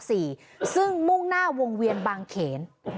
ซึ่งมุ่งหน้าวงเวียนบางเขน